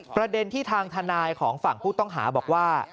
ประเด็นที่ทางทนายของฝั่งผู้ต้องหาบอกว่า